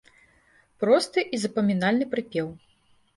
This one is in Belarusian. Просты і запамінальны прыпеў.